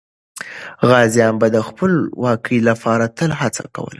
غازیان به د خپلواکۍ لپاره تل هڅه کوله.